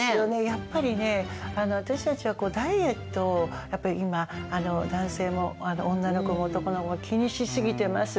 やっぱりね私たちはダイエットをやっぱり今男性も女の子も男の子も気にしすぎてます。